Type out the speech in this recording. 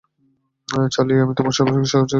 Charlie, আমি তোমাকে সর্বোচ্চ সহযোগিতা করবো।